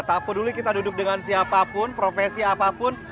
tidak peduli kita duduk dengan siapa pun profesi apapun